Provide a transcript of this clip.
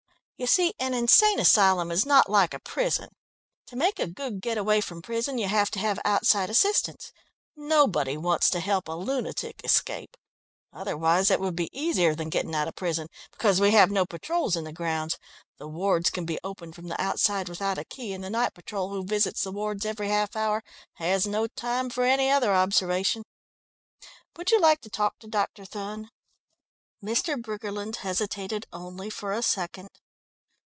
You see, an insane asylum is not like a prison; to make a good get away from prison you have to have outside assistance. Nobody wants to help a lunatic escape, otherwise it would be easier than getting out of prison, because we have no patrols in the grounds, the wards can be opened from the outside without a key and the night patrol who visits the wards every half hour has no time for any other observation. Would you like to talk to Dr. Thun?" Mr. Briggerland hesitated only for a second.